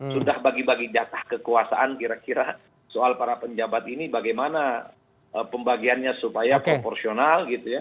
sudah bagi bagi jatah kekuasaan kira kira soal para penjabat ini bagaimana pembagiannya supaya proporsional gitu ya